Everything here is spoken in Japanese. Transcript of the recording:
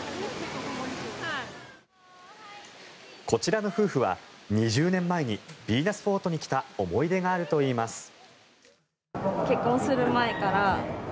こちらの夫婦は２０年前にヴィーナスフォートに来た思い出があるといいます。